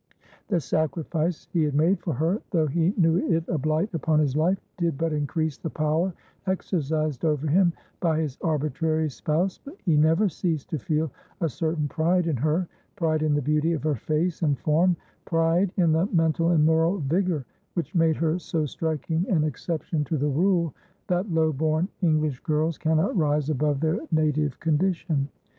The sacrifice he had made for her, though he knew it a blight upon his life, did but increase the power exercised over him by his arbitrary spouse; he never ceased to feel a certain pride in her, pride in the beauty of her face and form, pride in the mental and moral vigour which made her so striking an exception to the rule that low born English girls cannot rise above their native condition.